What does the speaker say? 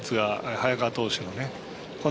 早川投手の。